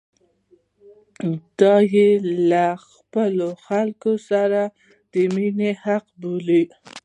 دا یې له خپلو خلکو سره د مینې حق بولي.